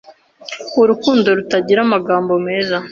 Urukundo rutagira amagambo meza